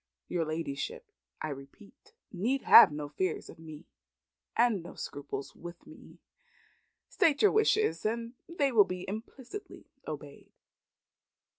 Your ladyship, I repeat, need have no fears of me and no scruples with me. State your wishes, and they shall be implicitly obeyed."